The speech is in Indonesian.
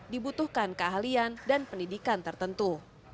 dibutuhkan keahlian dan pendidikan tertentu